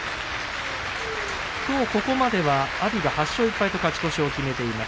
きょうここまでは阿炎が８勝１敗と勝ち越しを決めています。